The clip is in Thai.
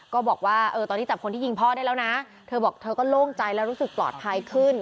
ก็บอกว่าตอนนี้จับคนที่ยิงพ่อได้แล้วนะเธอบอกเธอก็โล่งใจแล้วรู้สึกปลอดภัยขึ้น